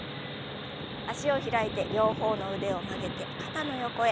脚を開いて両方の腕を曲げて肩の横へ。